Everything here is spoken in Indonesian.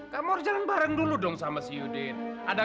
kamu gak perlu jelasin apa apa